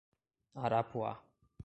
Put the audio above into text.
Arapuá